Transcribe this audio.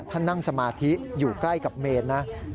นั่งสมาธิอยู่ใกล้กับเมนนะ